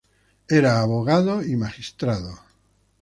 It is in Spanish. Era abogado y magistrado.